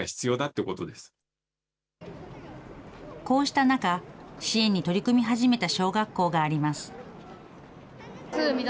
こうした中、支援に取り組み始めた小学校があります。